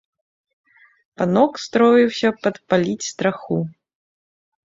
Панок строіўся падпаліць страху.